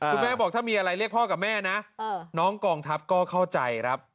คุณแม่บอกถ้ามีอะไรเรียกพ่อกับแม่นะน้องกองทัพก็เข้าใจครับ